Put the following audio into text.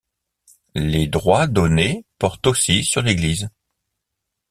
Les droits donnés portent aussi sur l'église.